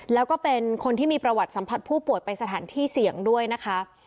แล้วก็เป็นคนที่มีประวัติสัมผัสผู้ป่วยไปสถานที่เสี่ยงด้วยนะคะ